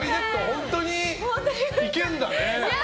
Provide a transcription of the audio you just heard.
本当にいけるんだね。